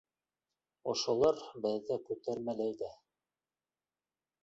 Ошолар беҙҙе күтәрмәләй ҙә.